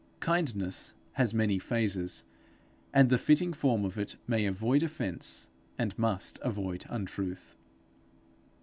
Kindness has many phases, and the fitting form of it may avoid offence, and must avoid untruth.